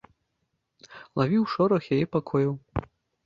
Лавіў шорах яе пакояў.